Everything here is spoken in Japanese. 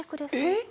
えっ！